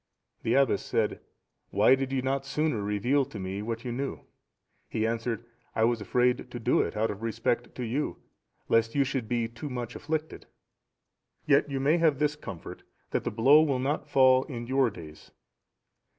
" The abbess said, "Why did you not sooner reveal to me what you knew?" He answered, "I was afraid to do it, out of respect to you, lest you should be too much afflicted; yet you may have this comfort, that the blow will not fall in your days."